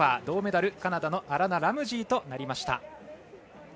銅メダル、カナダのアラナ・ラムジーとなりました。